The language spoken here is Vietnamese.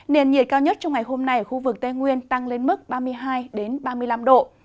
nền nhiệt cao nhất trong ngày hôm nay ở khu vực tây nguyên tăng lên mức ba mươi hai ba mươi năm độ